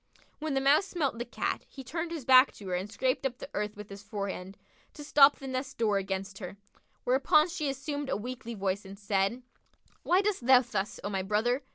When the Mouse smelt the Cat, he turned his back to her and scraped up the earth with his forehand, to stop the nest door against her; whereupon she assumed a weakly voice and said, "Why dost thou thus, O my brother?